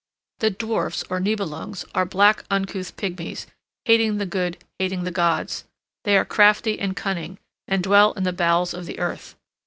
The dwarfs, or nibelungs, are black uncouth pigmies, hating the good, hating the gods; they are crafty and cunning, and dwell in the bowels of the earth.